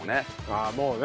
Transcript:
ああもうね。